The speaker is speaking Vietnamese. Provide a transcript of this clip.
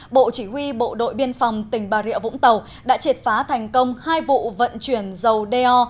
bộ chỉ huy bộ đội biên phòng tỉnh bà rịa vũng tàu đã triệt phá thành công hai vụ vận chuyển dầu deo